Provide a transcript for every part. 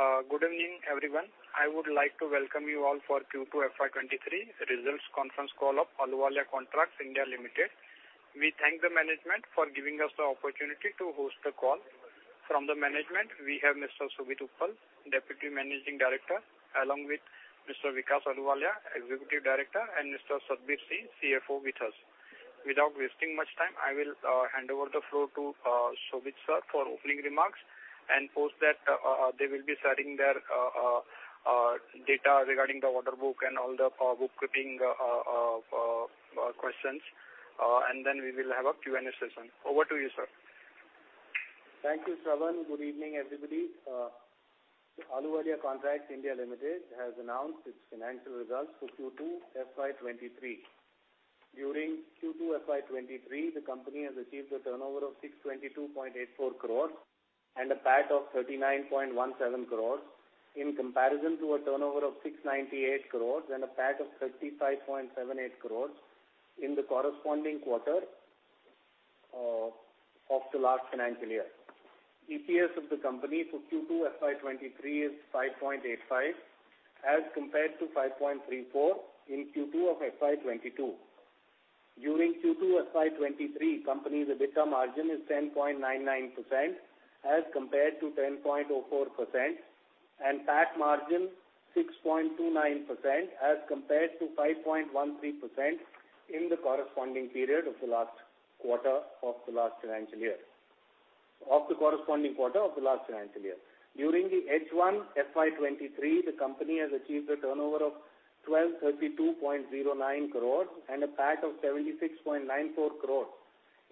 Good evening, everyone. I would like to welcome you all for Q2 FY23 results conference call of Ahluwalia Contracts (India) Limited. We thank the management for giving us the opportunity to host the call. From the management, we have Mr. Shobhit Uppal, Deputy Managing Director, along with Mr. Vikas Ahluwalia, Executive Director, and Mr. Satbeer Singh, CFO, with us. Without wasting much time, I will hand over the floor to Shobhit, sir, for opening remarks and post that they will be sharing their data regarding the order book and all the bookkeeping questions, and then we will have a Q&A session. Over to you, sir. Thank you, Shravan. Good evening, everybody. Ahluwalia Contracts (India) Limited has announced its financial results for Q2 FY23. During Q2 FY23, the company has achieved a turnover of 622.84 crores and a PAT of 39.17 crores in comparison to a turnover of 698 crores and a PAT of 35.78 crores in the corresponding quarter of the last financial year. EPS of the company for Q2 FY23 is 5.85, as compared to 5.34 in Q2 of FY22. During Q2 FY23, the company's EBITDA margin is 10.99%, as compared to 10.04%, and PAT margin 6.29%, as compared to 5.13% in the corresponding period of the last quarter of the last financial year. During the H1 FY23, the company has achieved a turnover of 1,232.09 crores and a PAT of 76.94 crores,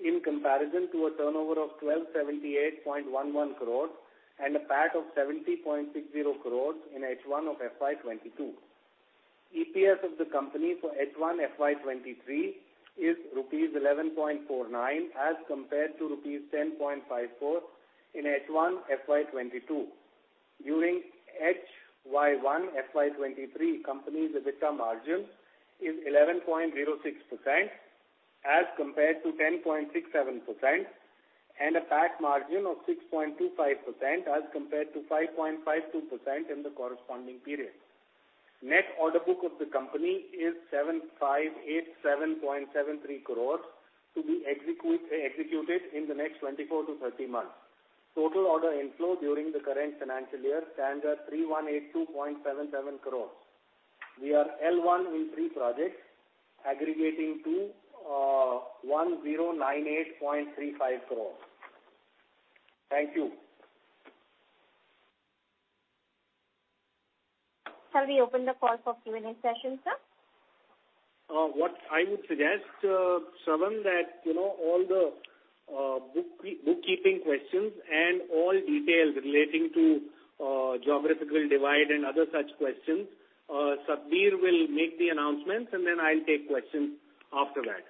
in comparison to a turnover of 1,278.11 crores and a PAT of 70.60 crores in H1 of FY22. EPS of the company for H1 FY23 is ₹11.49, as compared to ₹10.54 in H1 FY22. During HY1 FY23, the company's EBITDA margin is 11.06%, as compared to 10.67%, and a PAT margin of 6.25%, as compared to 5.52% in the corresponding period. Net order book of the company is 7587.73 crores to be executed in the next 24 to 30 months. Total order inflow during the current financial year stands at 3182.77 crores. We are L1 in three projects, aggregating to 1098.35 crores. Thank you. Shall we open the call for Q&A session, sir? What I would suggest, Shravan, that all the bookkeeping questions and all details relating to geographical divide and other such questions, Satbir will make the announcements, and then I'll take questions after that.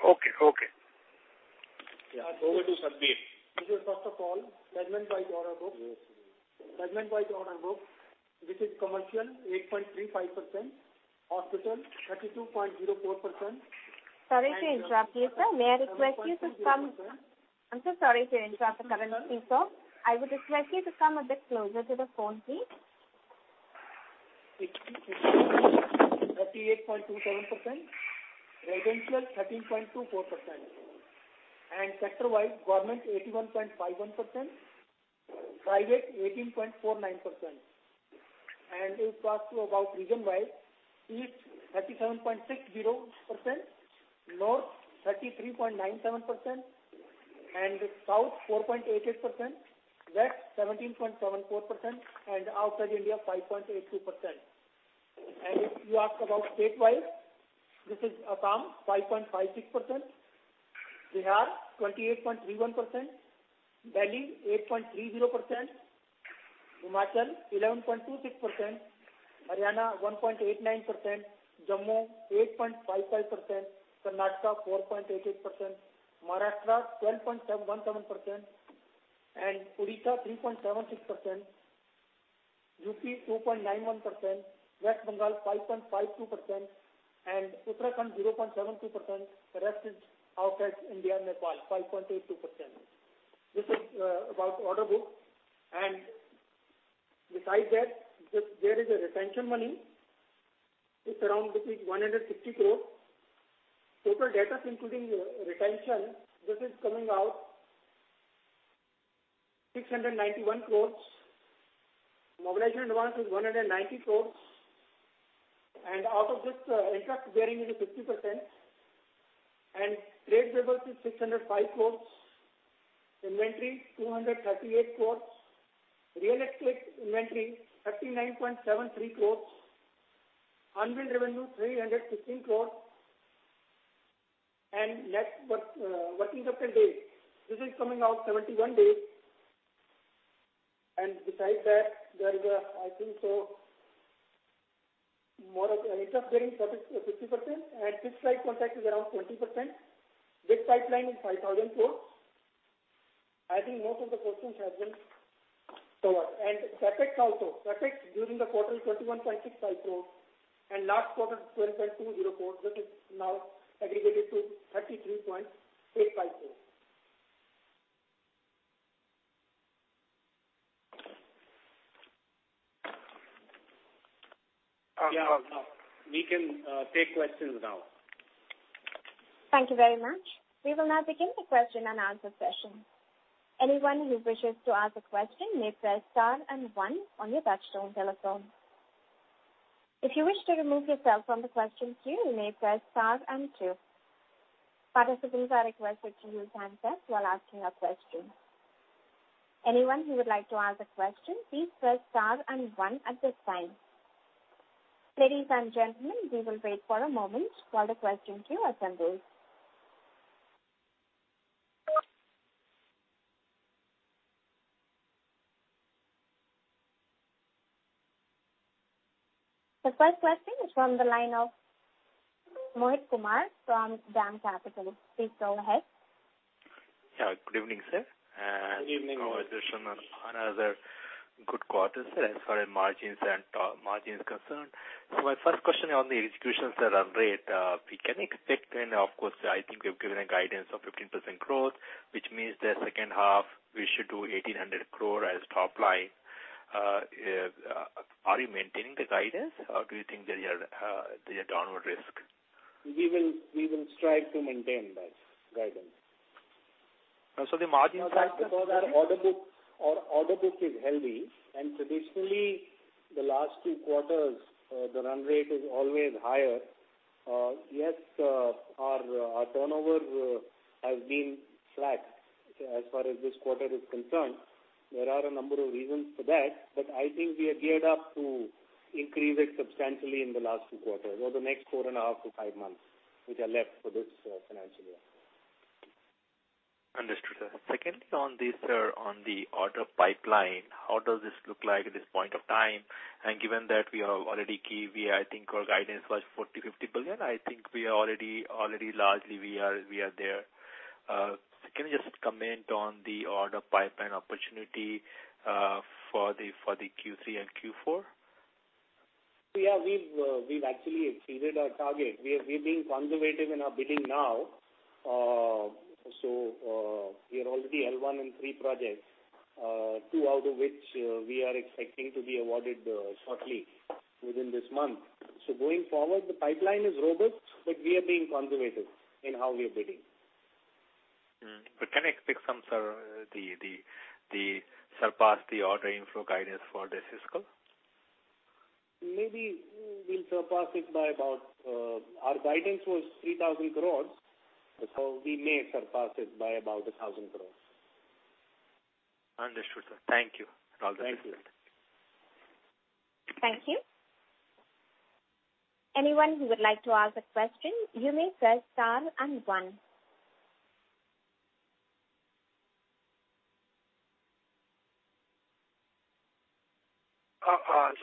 Okay. Okay. Over to Satbir. This is, first of all, segment-wide order book. Yes, it is. Segment-wise order book, which is commercial, 8.35%. Hospital, 32.04%. Sorry to interrupt you, sir. May I request you to come? I'm so sorry to interrupt the current speaker. I would request you to come a bit closer to the phone, please. 38.27%. Residential, 13.24%. And sector-wise, government, 81.51%. Private, 18.49%. And if you ask about region-wise, East, 37.60%. North, 33.97%. And South, 4.88%. West, 17.74%. And outside India, 5.82%. And if you ask about state-wise, this is Assam, 5.56%. Bihar, 28.31%. Delhi, 8.30%. Himachal, 11.26%. Haryana, 1.89%. Jammu, 8.55%. Karnataka, 4.88%. Maharashtra, 12.77%. And Odisha, 3.76%. UP, 2.91%. West Bengal, 5.52%. And Uttarakhand, 0.72%. The rest is outside India, Nepal, 5.82%. This is about order book. And besides that, there is a retention money. It's around ₹160 crores. Total data, including retention, this is coming out ₹691 crores. Mobilization advance is ₹190 crores. And out of this, interest bearing is 50%. And trade revenue is ₹605 crores. Inventory, ₹238 crores. Real estate inventory, ₹39.73 crores. Unbilled revenue, ₹316 crores. And net working capital days, this is coming out 71 days. And besides that, there is, I think so, more of interest bearing 50%. And fixed-price contract is around 20%. Bid pipeline is 5,000 crores. I think most of the questions have been covered. And CapEx also. CapEx during the quarter, 21.65 crores. And last quarter, 12.204 crores. This is now aggregated to 33.85 crores. Yeah. We can take questions now. Thank you very much. We will now begin the question and answer session. Anyone who wishes to ask a question may press star and one on your touchstone telephone. If you wish to remove yourself from the question queue, you may press star and two. Participants are requested to use hands up while asking a question. Anyone who would like to ask a question, please press star and one at this time. Ladies and gentlemen, we will wait for a moment while the question queue assembles. The first question is from the line of Mohit Kumar from DAM Capital. Please go ahead. Yeah. Good evening, sir. Good evening, Mohit. This is another good quarter, sir, as far as margins are concerned. So my first question on the execution run rate, we can expect, and of course, I think we've given a guidance of 15% growth, which means the second half, we should do 1,800 crores as top line. Are you maintaining the guidance, or do you think there is a downward risk? We will strive to maintain that guidance. So the margin side? Because our order book is heavy, and traditionally, the last two quarters, the run rate is always higher. Yes, our turnover has been flat as far as this quarter is concerned. There are a number of reasons for that, but I think we are geared up to increase it substantially in the last two quarters or the next four and a half to five months which are left for this financial year. Understood, sir. Secondly, on the order pipeline, how does this look like at this point of time? And given that we are already key, I think our guidance was 40-50 billion. I think we are already largely there. Can you just comment on the order pipeline opportunity for the Q3 and Q4? Yeah. We've actually exceeded our target. We're being conservative in our bidding now. So we are already L1 in three projects, two out of which we are expecting to be awarded shortly within this month. So going forward, the pipeline is robust, but we are being conservative in how we are bidding. But can expect some, sir, to surpass the order inflow guidance for the fiscal? Maybe we'll surpass it by about. Our guidance was 3,000 crores, so we may surpass it by about 1,000 crores. Understood, sir. Thank you for all the questions. Thank you. Thank you. Anyone who would like to ask a question, you may press star and one.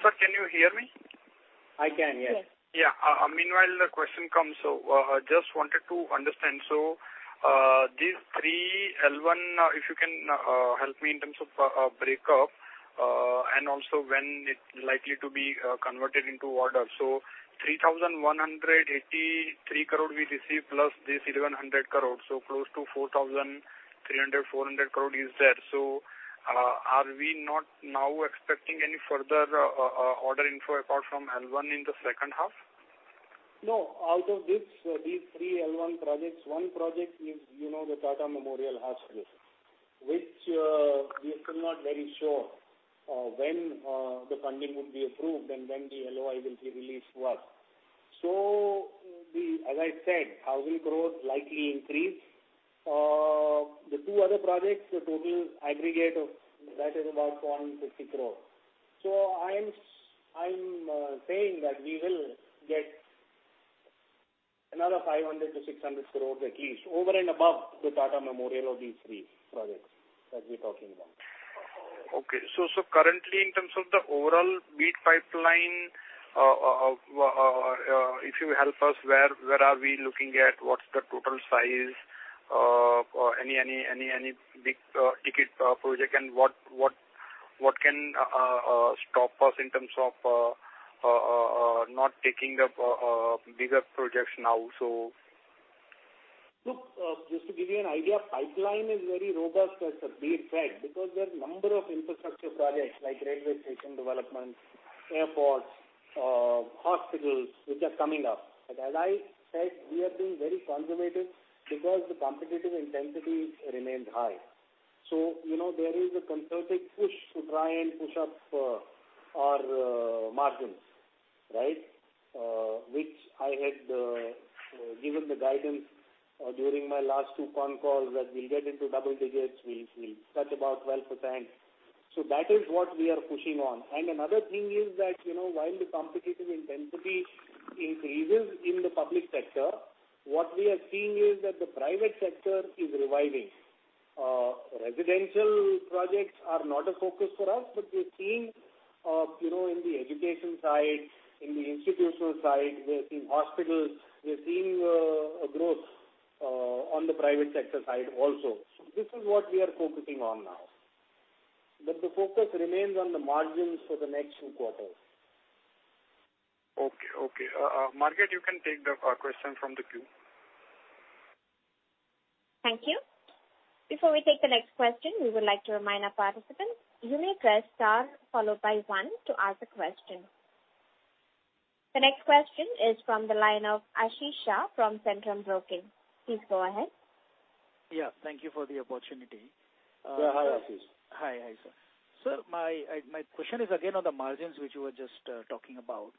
Sir, can you hear me? I can, yes. Yeah. Meanwhile, the question comes. So I just wanted to understand. So these three L1, if you can help me in terms of breakup and also when it's likely to be converted into order. So 3,183 crores we receive plus this 1,100 crores. So close to 4,300, 400 crores is there. So are we not now expecting any further order inflow apart from L1 in the second half? No. Out of these three L1 projects, one project is the Tata Memorial Hospital, which we are still not very sure when the funding would be approved and when the LOI will be released to us. So as I said, 1,000 crores likely increase. The two other projects, the total aggregate of that is about 150 crores. So I'm saying that we will get another 500-600 crores at least, over and above the Tata Memorial or these three projects that we're talking about. Okay. So currently, in terms of the overall bid pipeline, if you help us, where are we looking at? What's the total size? Any big ticket project? And what can stop us in terms of not taking the bigger projects now, so? Look, just to give you an idea, pipeline is very robust as a matter of fact because there are a number of infrastructure projects like railway station development, airports, hospitals which are coming up. But as I said, we are being very conservative because the competitive intensity remains high. So there is a concerted push to try and push up our margins, right, which I had given the guidance during my last two phone calls that we'll get into double digits. We'll touch about 12%. So that is what we are pushing on. And another thing is that while the competitive intensity increases in the public sector, what we are seeing is that the private sector is reviving. Residential projects are not a focus for us, but we're seeing in the education side, in the institutional side, we're seeing hospitals. We're seeing a growth on the private sector side also. This is what we are focusing on now. But the focus remains on the margins for the next two quarters. Okay. Okay. Margit, you can take the question from the queue. Thank you. Before we take the next question, we would like to remind our participants, you may press star followed by one to ask a question. The next question is from the line of Ashish from Centrum Broking. Please go ahead. Yeah. Thank you for the opportunity. Yeah. Hi, Ashish. Hi. Hi, sir. Sir, my question is again on the margins which you were just talking about.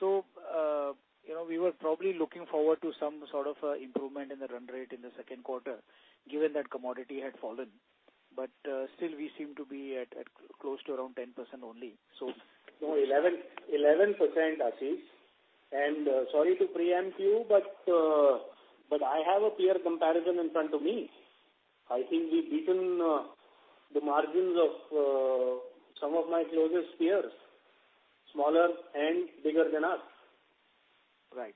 So we were probably looking forward to some sort of improvement in the run rate in the second quarter, given that commodity had fallen. But still, we seem to be close to around 10% only. So. No, 11%, Ashish. And sorry to preempt you, but I have a peer comparison in front of me. I think we've beaten the margins of some of my closest peers, smaller and bigger than us. Right.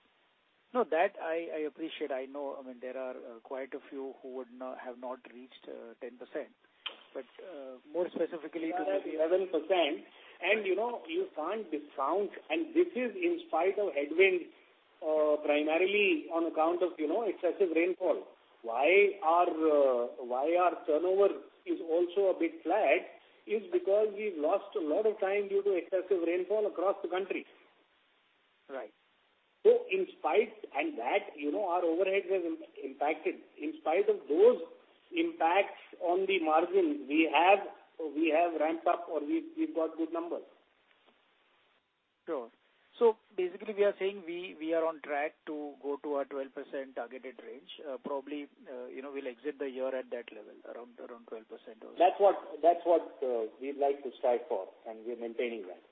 No, that I appreciate. I know, I mean, there are quite a few who have not reached 10%. But more specifically to. 11%. You can't discount, and this is in spite of headwinds, primarily on account of excessive rainfall. Why our turnover is also a bit flat is because we've lost a lot of time due to excessive rainfall across the country. Right. So, in spite of that, our overhead has impacted. In spite of those impacts on the margins, we have ramped up or we've got good numbers. Sure. So basically, we are saying we are on track to go to our 12% targeted range. Probably we'll exit the year at that level, around 12% or so. That's what we'd like to strive for, and we're maintaining that.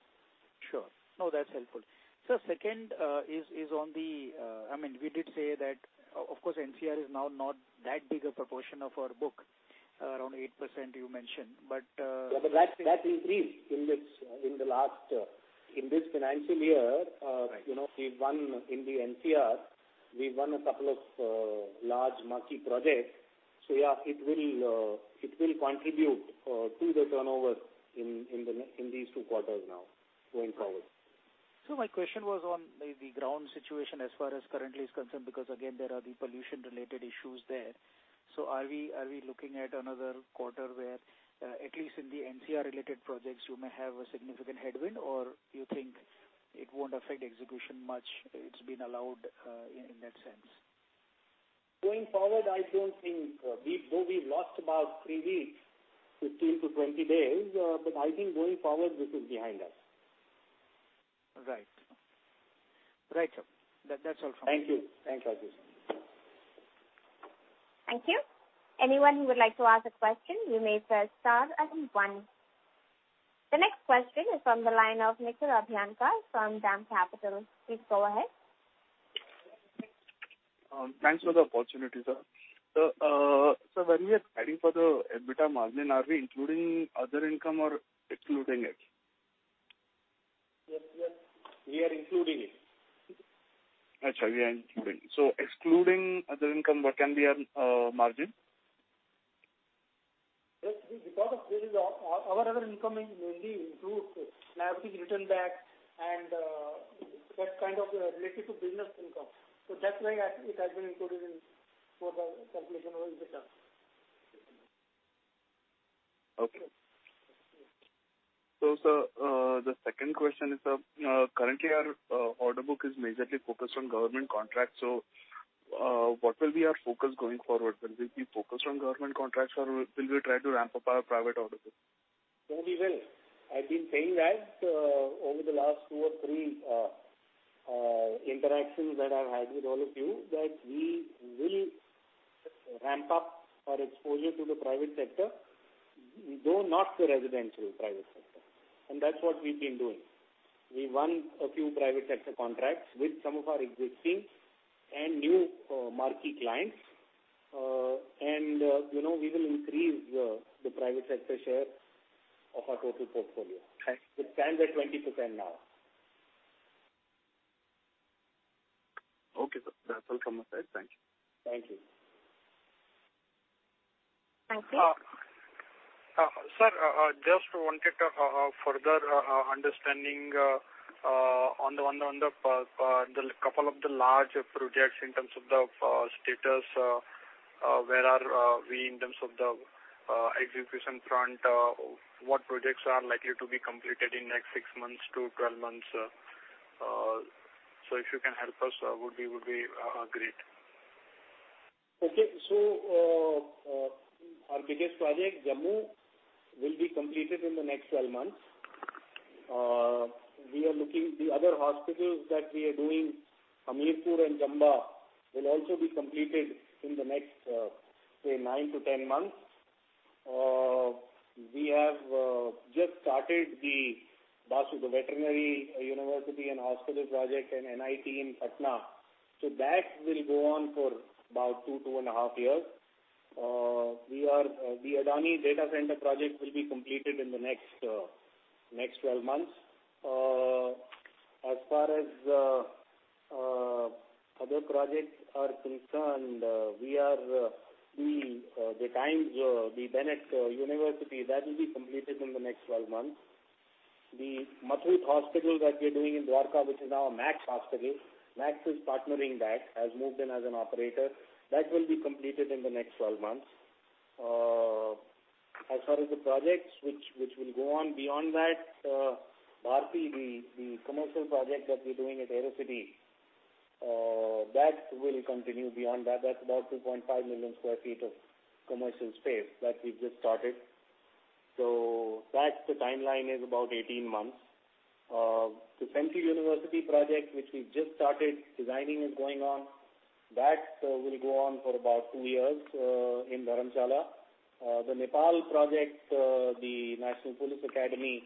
Sure. No, that's helpful. So second is on the, I mean, we did say that, of course, NCR is now not that big a proportion of our book, around 8% you mentioned. But. Yeah. But that's increased in the last in this financial year. We've won in the NCR. We've won a couple of large marquee projects. So yeah, it will contribute to the turnover in these two quarters now, going forward. So my question was on the ground situation as far as currently is concerned because, again, there are the pollution-related issues there. So are we looking at another quarter where, at least in the NCR-related projects, you may have a significant headwind, or you think it won't affect execution much? It's been allowed in that sense. Going forward, I don't think we've lost about three weeks, 15-20 days. But I think going forward, this is behind us. Right. Right. That's all from me. Thank you. Thank you, Ashish. Thank you. Anyone who would like to ask a question, you may press star and one. The next question is from the line of Nikhil Abhyankar from DAM Capital. Please go ahead. Thanks for the opportunity, sir. So when we are planning for the EBITDA margin, are we including other income or excluding it? Yes. Yes. We are including it. Sure. We are including it. So excluding other income, what can be our margin? Yes. Because our other income is mainly improved, and everything's written back, and that's kind of related to business income, so that's why it has been included in the calculation of EBITDA. Okay. So the second question is, currently, our order book is majorly focused on government contracts. So what will be our focus going forward? Will we be focused on government contracts, or will we try to ramp up our private order book? No, we will. I've been saying that over the last two or three interactions that I've had with all of you, that we will ramp up our exposure to the private sector, though not the residential private sector. And we will increase the private sector share of our total portfolio. It stands at 20% now. Okay. That's all from my side. Thank you. Thank you. Thank you. Sir, just wanted to further understanding on a couple of the large projects in terms of the status. Where are we in terms of the execution front? What projects are likely to be completed in the next 6-12 months, so if you can help us, it would be great. Okay. So our biggest project, Jammu, will be completed in the next 12 months. The other hospitals that we are doing, Hamirpur and Chamba, will also be completed in the next, say, nine to 10 months. We have just started the veterinary university and hospital project and NIT Patna. So that will go on for about two, two and a half years. The Adani Data Center project will be completed in the next 12 months. As far as other projects are concerned, the Bennett University, that will be completed in the next 12 months. The Muthoot Hospital that we are doing in Dwarka, which is now a Max hospital, Max is partnering that, has moved in as an operator. That will be completed in the next 12 months. As far as the projects which will go on beyond that, Bharti, the commercial project that we're doing at AeroCity, that will continue beyond that. That's about 2.5 million sq ft of commercial space that we've just started. So that timeline is about 18 months. The Central University project, which we've just started designing, is going on. That will go on for about two years in Dharamshala. The Nepal project, the National Police Academy,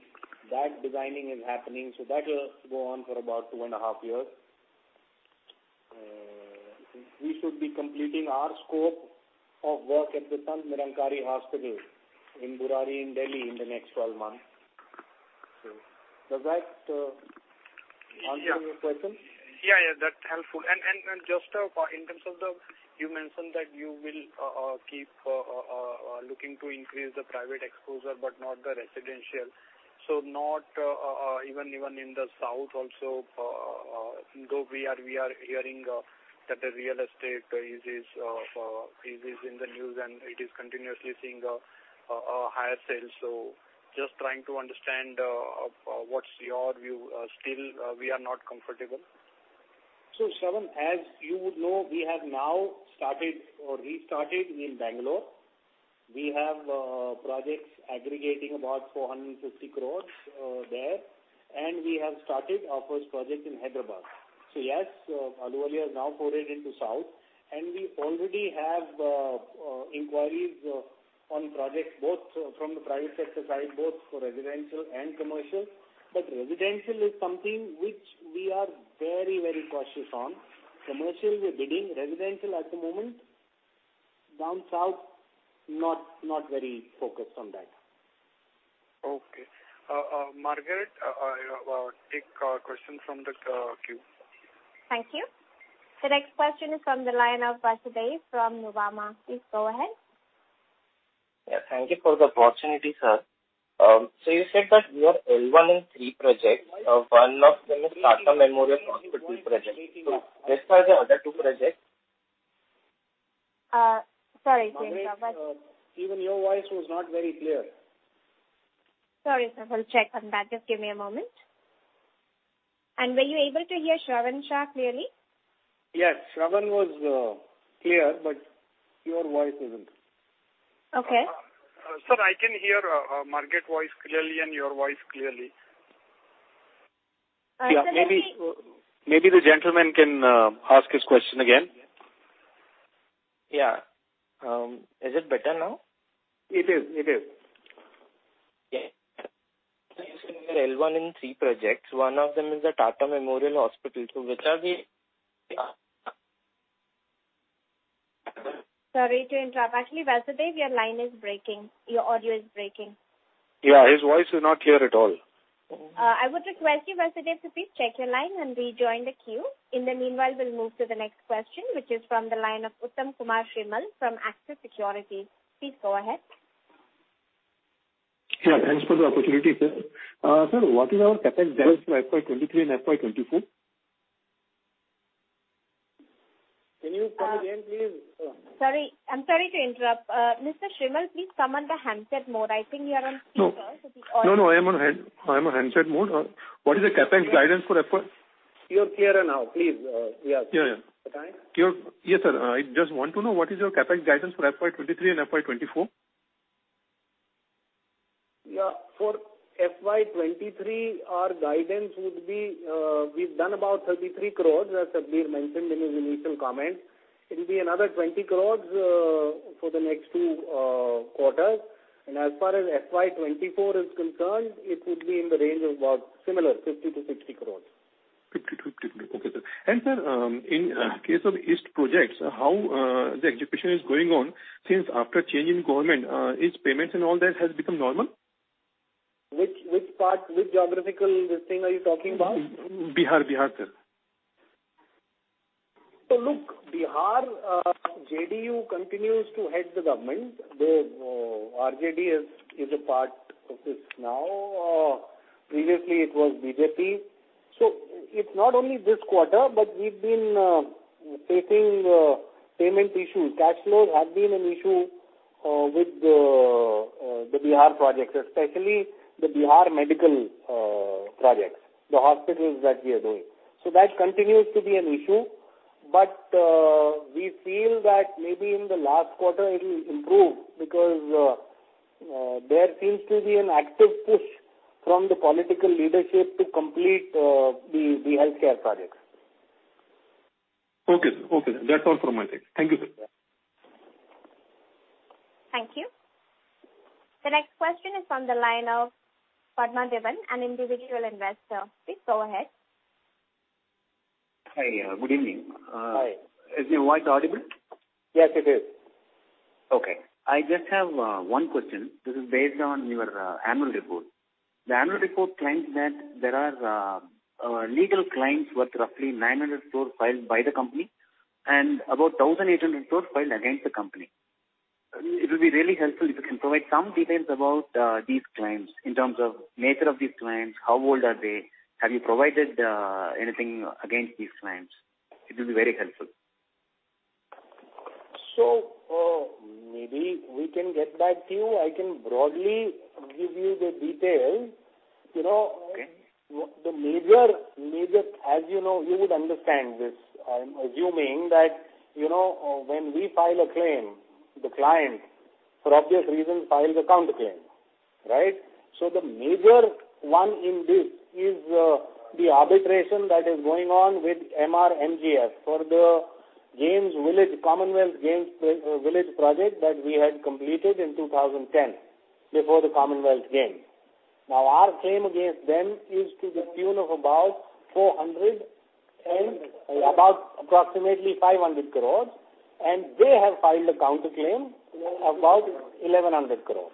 that designing is happening. So that will go on for about two and a half years. We should be completing our scope of work at the Sant Nirankari Hospital in Burari, in Delhi, in the next 12 months. So does that answer your question? Yeah. Yeah. That's helpful. And just in terms of then you mentioned that you will keep looking to increase the private exposure but not the residential. So not even in the south also, though we are hearing that the real estate is in the news and it is continuously seeing higher sales. So just trying to understand what's your view. Still, we are not comfortable. Shravan, as you would know, we have now started or restarted in Bangalore. We have projects aggregating about 450 crores there. We have started our first project in Hyderabad. Yes, Ahluwalia is now forayed into South India. We already have inquiries on projects both from the private sector side, both for residential and commercial. But residential is something which we are very, very cautious on. Commercial, we're bidding. Residential, at the moment, down south, not very focused on that. Okay. Margit, take a question from the queue. Thank you. The next question is from the line of Vasudev from Nuvama. Please go ahead. Yeah. Thank you for the opportunity, sir. So you said that we are L1 in three projects. One of them is Tata Memorial Hospital project. So where are the other two projects? Sorry, please go ahead. Even your voice was not very clear. Sorry, sir. We'll check on that. Just give me a moment. And were you able to hear Shravan Shah clearly? Yes. Shravan was clear, but your voice isn't. Okay. Sir, I can hear Margit's voice clearly and your voice clearly. Yeah. Margit. Maybe the gentleman can ask his question again. Yeah. Is it better now? It is. It is. Okay. So you said we are L1 in three projects. One of them is the Tata Memorial Hospital. So which are the? Sorry to interrupt. Actually, Vasudev, your line is breaking. Your audio is breaking. Yeah. His voice is not clear at all. I would request you, Vasudev, to please check your line and rejoin the queue. In the meanwhile, we'll move to the next question, which is from the line of Uttam Kumar Shrimal from Axis Securities. Please go ahead. Yeah. Thanks for the opportunity, sir. Sir, what is our CapEx there for FY23 and FY24? Can you say it again, please? Sorry. I'm sorry to interrupt. Mr. Shrimal, please come on the handset mode. I think you're on speaker, so the audio. No, no. I'm on handset mode. What is the CapEx guidance for FY? You're clearer now. Please. Yes. Yeah. Yeah. Yes, sir. I just want to know what is your CapEx guidance for FY23 and FY24? Yeah. For FY23, our guidance would be we've done about 33 crores, as Sandeep mentioned in his initial comment. It'll be another 20 crores for the next two quarters. And as far as FY24 is concerned, it would be in the range of about similar, 50-60 crores. 50-60. Okay, sir. And sir, in case of East projects, how the execution is going on since after change in government? Is payments and all that has become normal? Which geographical thing are you talking about? Bihar, sir. So look, Bihar, JDU continues to head the government. The RJD is a part of this now. Previously, it was BJP. So it's not only this quarter, but we've been facing payment issues. Cash flows have been an issue with the Bihar projects, especially the Bihar medical projects, the hospitals that we are doing. So that continues to be an issue. But we feel that maybe in the last quarter, it'll improve because there seems to be an active push from the political leadership to complete the healthcare projects. Okay. Okay. That's all from my side. Thank you, sir. Thank you. The next question is from the line of Padma Devan, an individual investor. Please go ahead. Hi. Good evening. Hi. Is it your voice audible? Yes, it is. Okay. I just have one question. This is based on your annual report. The annual report claims that there are legal claims worth roughly 900 crores filed by the company and about 1,800 crores filed against the company. It will be really helpful if you can provide some details about these claims in terms of nature of these claims, how old are they, have you provided anything against these claims? It will be very helpful. So maybe we can get back to you. I can broadly give you the details. The major, as you know, you would understand this. I'm assuming that when we file a claim, the client, for obvious reasons, files a counterclaim, right? So the major one in this is the arbitration that is going on with Emaar MGF for the Commonwealth Games Village project that we had completed in 2010 before the Commonwealth Games. Now, our claim against them is to the tune of about 400 crore and about approximately 500 crore, and they have filed a counterclaim of about 1,100 crore.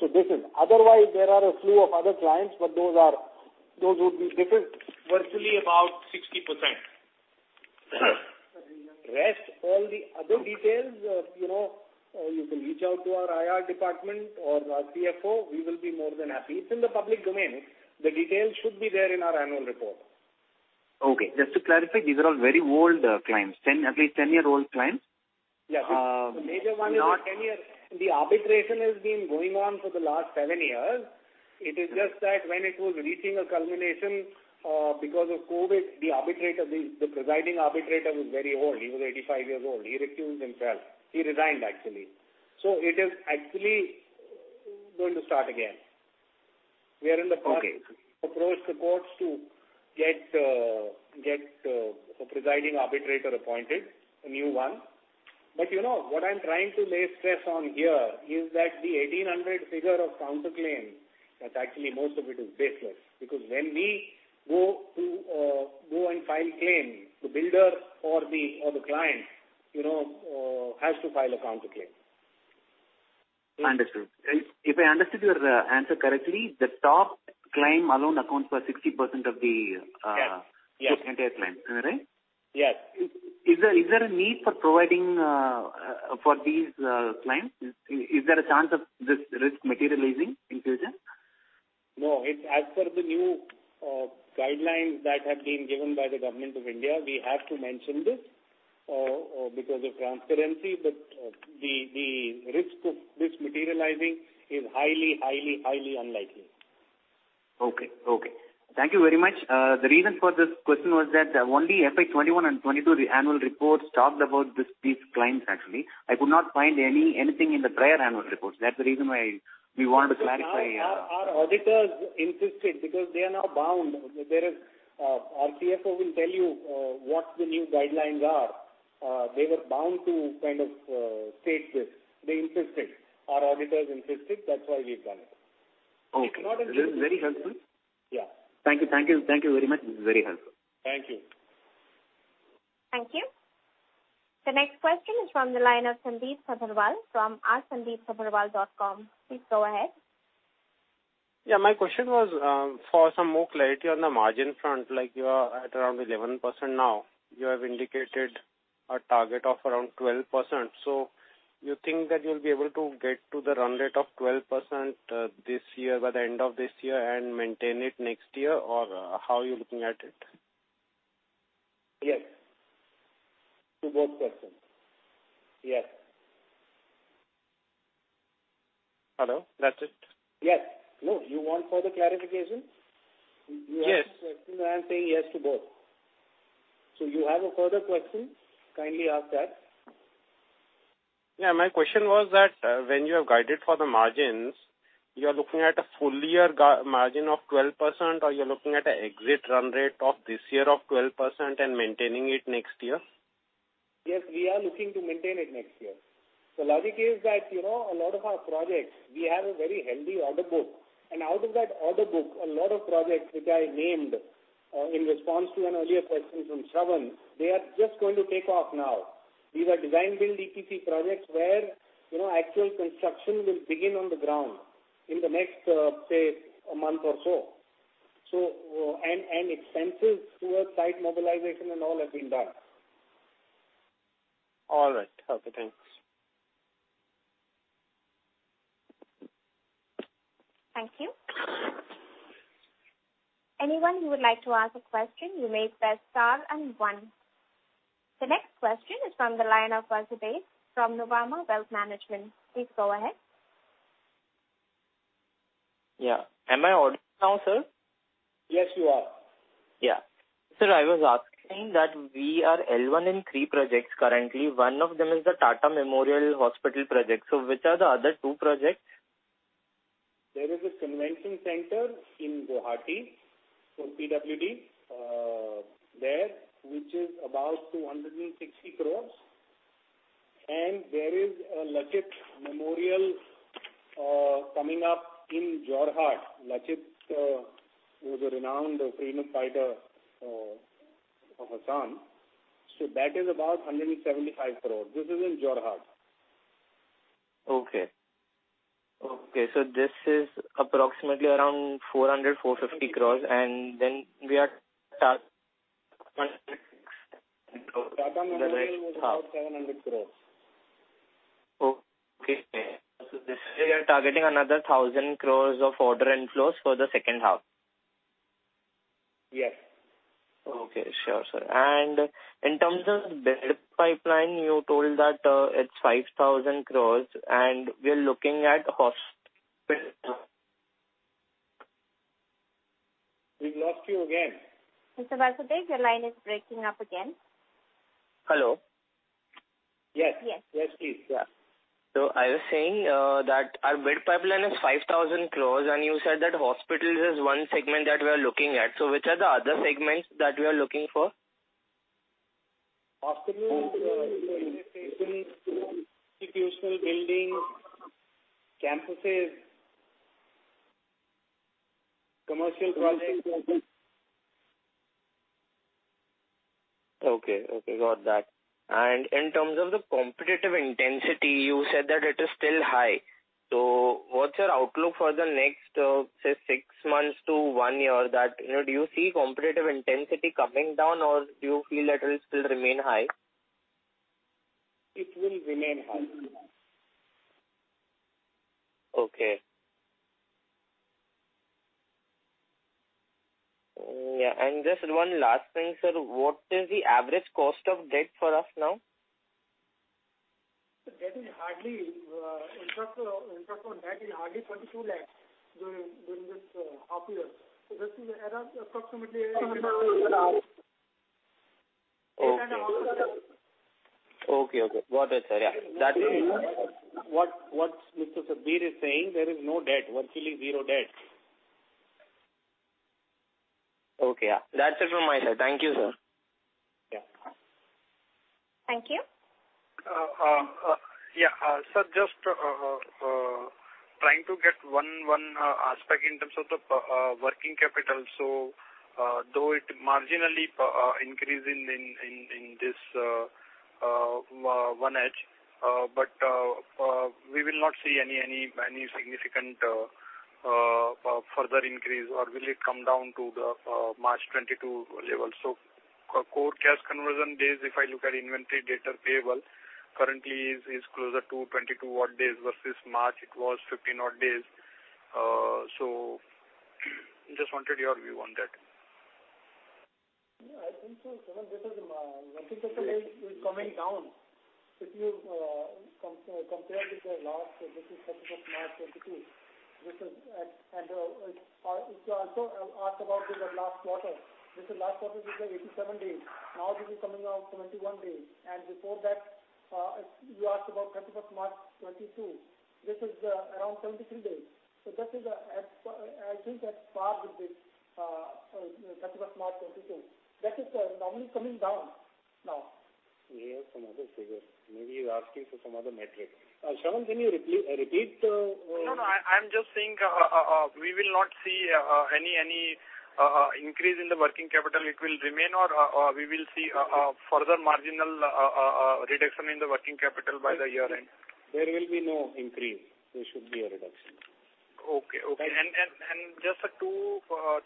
So this is otherwise, there are a slew of other clients, but those would be different. Virtually about 60%. Rest, all the other details, you can reach out to our IR department or our CFO. We will be more than happy. It's in the public domain. The details should be there in our annual report. Okay. Just to clarify, these are all very old claims, at least 10-year-old claims? Yes. The major one is not 10 years. The arbitration has been going on for the last 7 years. It is just that when it was reaching a culmination because of COVID, the arbitrator, the presiding arbitrator, was very old. He was 85 years old. He recused himself. He resigned, actually. So it is actually going to start again. We are in the process to approach the courts to get a presiding arbitrator appointed, a new one. But what I'm trying to lay stress on here is that the 1,800 figure of counterclaim, that's actually most of it is baseless because when we go and file claim, the builder or the client has to file a counterclaim. Understood. If I understood your answer correctly, the top claim alone accounts for 60% of the entire claim. Am I right? Yes. Is there a need for providing for these claims? Is there a chance of this risk materializing in the future? No. As per the new guidelines that have been given by the Government of India, we have to mention this because of transparency. But the risk of this materializing is highly, highly, highly unlikely. Okay. Okay. Thank you very much. The reason for this question was that only FY21 and FY22, the annual reports talked about these claims, actually. I could not find anything in the prior annual reports. That's the reason why we wanted to clarify. Our auditors insisted because they are now bound. Our CFO will tell you what the new guidelines are. They were bound to kind of state this. They insisted. Our auditors insisted. That's why we've done it. Okay. This is very helpful. Yeah. Thank you. Thank you. Thank you very much. This is very helpful. Thank you. Thank you. The next question is from the line of Sandeep Sabharwal from sandeepsabharwal.com. Please go ahead. Yeah. My question was for some more clarity on the margin front. You are at around 11% now. You have indicated a target of around 12%. So you think that you'll be able to get to the run rate of 12% by the end of this year and maintain it next year, or how are you looking at it? Yes. To both questions. Yes. Hello? That's it? Yes. No. You want further clarification? Yes. I'm saying yes to both. So you have a further question? Kindly ask that. Yeah. My question was that when you have guided for the margins, you are looking at a full year margin of 12%, or you're looking at an exit run rate of this year of 12% and maintaining it next year? Yes. We are looking to maintain it next year. The logic is that a lot of our projects, we have a very healthy order book. And out of that order book, a lot of projects which I named in response to an earlier question from Shravan, they are just going to take off now. These are design-build EPC projects where actual construction will begin on the ground in the next, say, a month or so. And expenses towards site mobilization and all have been done. All right. Okay. Thanks. Thank you. Anyone who would like to ask a question, you may press star and one. The next question is from the line of Vasudev from Nuvama Wealth Management. Please go ahead. Yeah. Am I audible now, sir? Yes, you are. Yeah. Sir, I was asking that we are L1 in three projects currently. One of them is the Tata Memorial Hospital project. So which are the other two projects? There is a convention center in Guwahati for PWD there, which is about 260 crores. There is a Lachit Memorial coming up in Jorhat. Lachit was a renowned freedom fighter of Assam. That is about 175 crores. This is in Jorhat. Okay. So this is approximately around 400-450 crores, and then we are targeting about INR 700 crores. Okay. So we are targeting another 1,000 crores of order inflows for the second half. Yes. Okay. Sure, sir. And in terms of the bid pipeline, you told that it's 5,000 crores, and we are looking at hospital. We lost you again. Mr. Vasudev, your line is breaking up again. Hello? Yes. Yes. Yes, please. Yeah. So I was saying that our bid pipeline is 5,000 crores, and you said that hospitals is one segment that we are looking at. So which are the other segments that we are looking for? Hospitals, institutional buildings, campuses, commercial projects. Okay. Okay. Got that. And in terms of the competitive intensity, you said that it is still high. So what's your outlook for the next, say, six months to one year? Do you see competitive intensity coming down, or do you feel that it will still remain high? It will remain high. Okay. Yeah. And just one last thing, sir. What is the average cost of debt for us now? The debt is hardly in terms of debt, it's hardly INR 22 lakhs during this half year. This is approximately. Okay. Okay. Got it, sir. Yeah. What Mr. Sandeep is saying, there is no debt, virtually zero debt. Okay. Yeah. That's it from my side. Thank you, sir. Yeah. Thank you. Yeah. Sir, just trying to get one aspect in terms of the working capital. So though it marginally increases in this H1, but we will not see any significant further increase, or will it come down to the March 22 level? So core cash conversion days, if I look at inventory, debtors, payables, currently is closer to 22 odd days versus March it was 15 odd days. So just wanted your view on that. I think so, sir. This is inventory capital is coming down. If you compare with the last, this is 31st March 2022. And if you also ask about the last quarter, this is last quarter is 87 days. Now this is coming out 21 days. And before that, you asked about 31st March 2022. This is around 73 days. So I think that's fair with this 31st March 2022. That is normally coming down now. We have some other figures. Maybe you're asking for some other metric. Shravan, can you repeat? No, no. I'm just saying we will not see any increase in the working capital. It will remain, or we will see further marginal reduction in the working capital by the year end? There will be no increase. There should be a reduction. Okay. And just two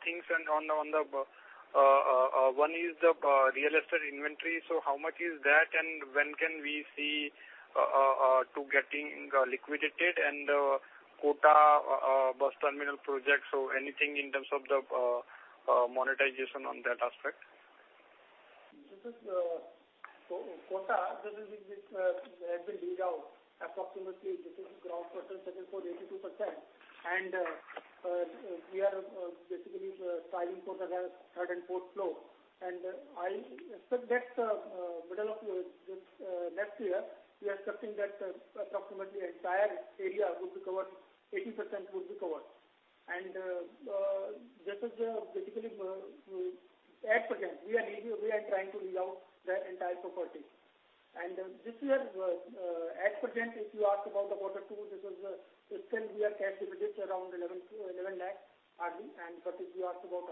things. One is the real estate inventory. So how much is that, and when can we see to getting liquidated and Kota bus terminal projects? So anything in terms of the monetization on that aspect? This is Kota. This has been laid out approximately. This is ground for the second quarter, 82%. And we are basically filing for the third and fourth floor. And I expect that middle of next year, we are expecting that approximately entire area would be covered, 80% would be covered. And this is basically at present. We are trying to lay out the entire property. And this year, at present, if you ask about the quarter two, we are still cash deficit around 11 lakhs hardly. And if you ask about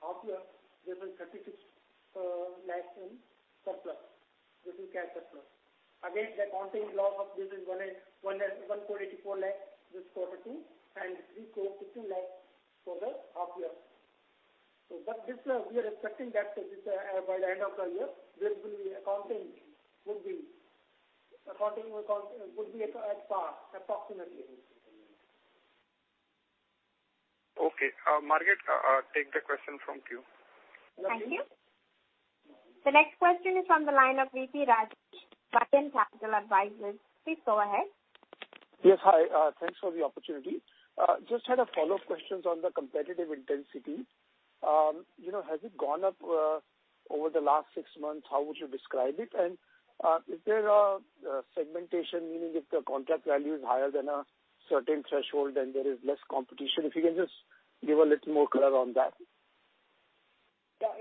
half year, this is 36 lakhs in surplus. This is cash surplus. Again, the net loss of this is 1,484 lakhs this quarter two and 3,015 lakhs for the half year. But we are expecting that by the end of the year, this will be accounting would be at par approximately. Okay. Margit, take the question from you. Thank you. The next question is from the line of VP Raj, Banyan Capital Advisors. Please go ahead. Yes. Hi. Thanks for the opportunity. Just had a follow-up question on the competitive intensity. Has it gone up over the last six months? How would you describe it? And is there a segmentation, meaning if the contract value is higher than a certain threshold, then there is less competition? If you can just give a little more color on that? Yeah.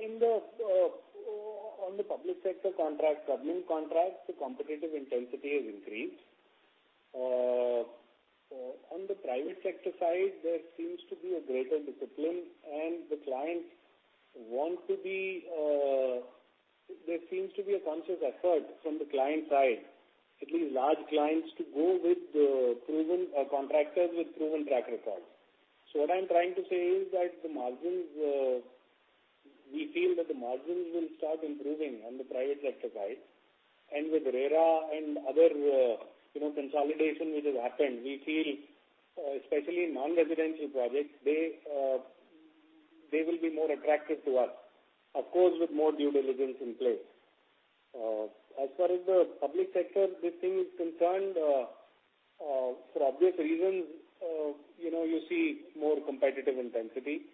On the public sector contract, government contract, the competitive intensity has increased. On the private sector side, there seems to be a greater discipline, and the clients want to be there seems to be a conscious effort from the client side, at least large clients, to go with the proven contractors with proven track record. So what I'm trying to say is that the margins, we feel that the margins will start improving on the private sector side. And with RERA and other consolidation which has happened, we feel especially non-residential projects, they will be more attractive to us, of course, with more due diligence in place. As far as the public sector, this thing is concerned, for obvious reasons, you see more competitive intensity.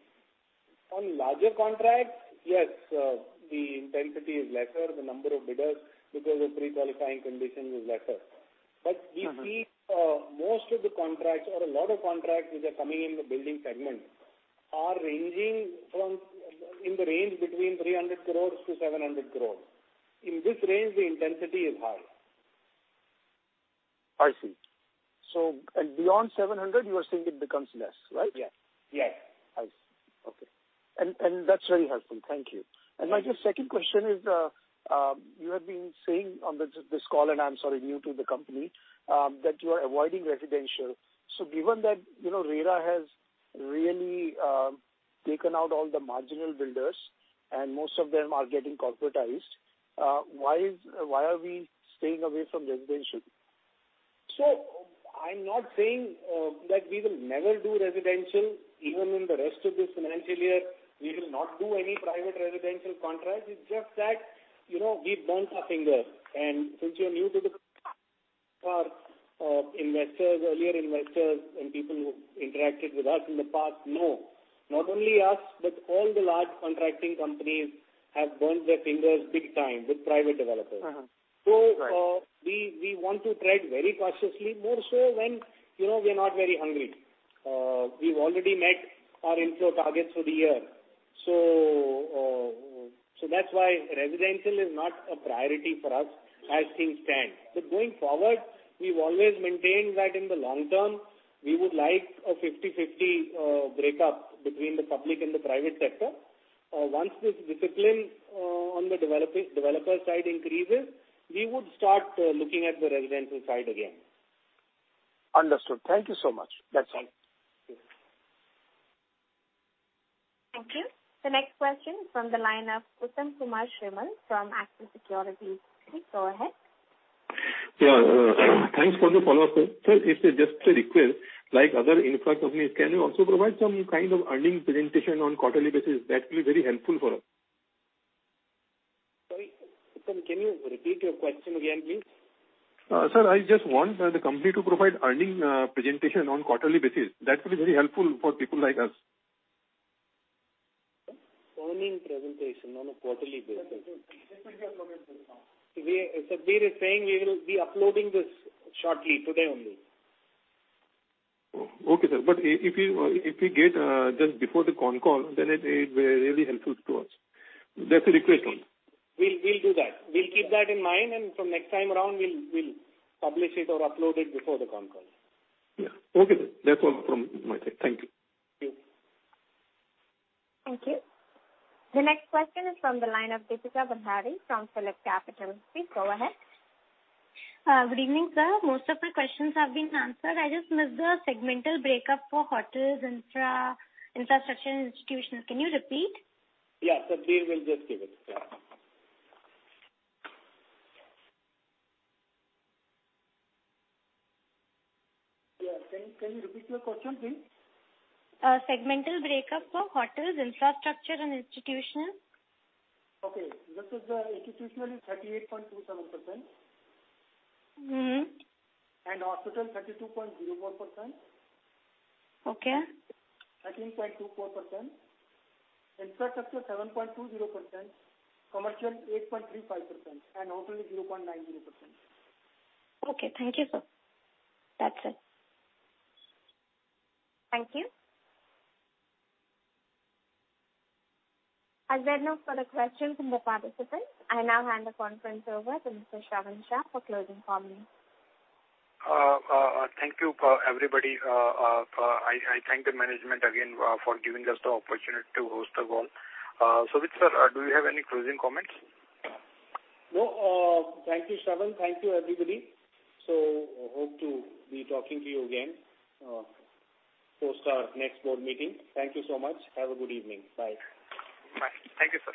On larger contracts, yes, the intensity is lesser. The number of bidders because of pre-qualifying conditions is lesser. We see most of the contracts or a lot of contracts which are coming in the building segment are ranging in the range between 300 crores to 700 crores. In this range, the intensity is high. I see. And beyond 700, you are saying it becomes less, right? Yes. Yes. I see. Okay. And that's very helpful. Thank you. And my second question is, you have been saying on this call, and I'm sorry, new to the company, that you are avoiding residential. So given that RERA has really taken out all the marginal builders, and most of them are getting corporatized, why are we staying away from residential? So I'm not saying that we will never do residential. Even in the rest of this financial year, we will not do any private residential contracts. It's just that we've burned our fingers. And since you're new to the investors, earlier investors, and people who interacted with us in the past, no. Not only us, but all the large contracting companies have burned their fingers big time with private developers. So we want to tread very cautiously, more so when we're not very hungry. We've already met our inflow targets for the year. So that's why residential is not a priority for us as things stand. But going forward, we've always maintained that in the long term, we would like a 50/50 breakup between the public and the private sector. Once this discipline on the developer side increases, we would start looking at the residential side again. Understood. Thank you so much. That's all. Thank you. The next question is from the line of Uttam Kumar Shrimal from Axis Securities. Please go ahead. Yeah. Thanks for the follow-up. Sir, if it's just a request, like other infra companies, can you also provide some kind of earnings presentation on quarterly basis? That will be very helpful for us. Sorry. Can you repeat your question again, please? Sir, I just want the company to provide earnings presentation on quarterly basis. That will be very helpful for people like us. Earnings presentation on a quarterly basis. Sandeep is saying we will be uploading this shortly today only. Okay, sir. But if we get just before the con call, then it will be really helpful to us. That's a request. We'll do that. We'll keep that in mind, and from next time around, we'll publish it or upload it before the con call. Yeah. Okay, sir. That's all from my side. Thank you. Thank you. Thank you. The next question is from the line of Deepika Bhandari from PhillipCapital. Please go ahead. Good evening, sir. Most of my questions have been answered. I just missed the segmental breakup for hotels, infra, infrastructure, and institutions. Can you repeat? Yeah. Sandeep will just give it. Yeah. Can you repeat your question, please? Segmental breakup for hotels, infrastructure, and institutions? Okay. This is institutional, 38.27%. And hospital, 32.04%. Okay. 13.24%. Infrastructure, 7.20%. Commercial, 8.35%. And hotel, 0.90%. Okay. Thank you, sir. That's it. Thank you. As there are no further questions from the participants, I now hand the conference over to Mr. Shravan Shah for closing comments. Thank you, everybody. I thank the management again for giving us the opportunity to host the call. So, sir, do you have any closing comments? No. Thank you, Shravan. Thank you, everybody. So hope to be talking to you again post our next board meeting. Thank you so much. Have a good evening. Bye. Bye. Thank you, sir.